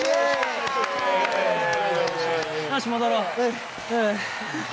よし戻ろう。